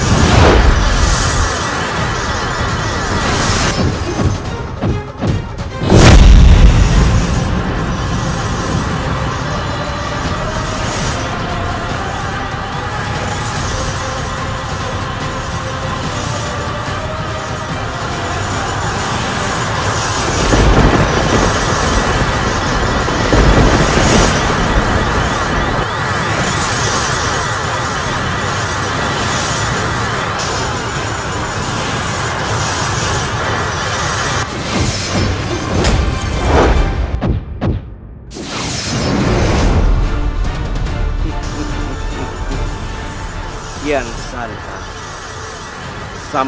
masuklah ke dalam